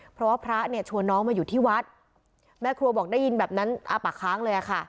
เพราะว่าพระเนี่ยชวนน้องมาอยู่ที่วัดแม่ครัวบอกได้ยินแบบนั้นอ้าปากค้างเลยอะค่ะ